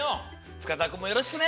深澤くんもよろしくね。